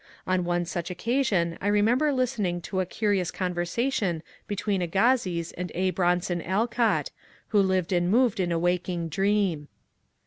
On one such occasion I remember listening to a curious conversa tion between Agassiz and A. Bronson Alcott, — who lived and moved in a waking dream.